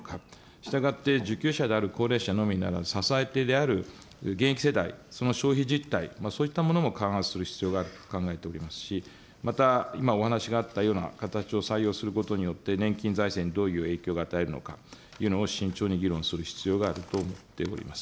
したがって受給者である高齢者のみならず、支え手である現役世代、その消費実態、そういったものも勘案する必要があると考えておりますし、また今お話があったような形を採用することによって、年金財政にどういう影響を与えるのかというのを慎重に議論する必要があると思っております。